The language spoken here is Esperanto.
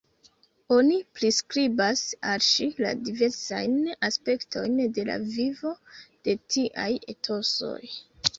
Oni priskribas al ŝi la diversajn aspektojn de la vivo de tiaj etosoj.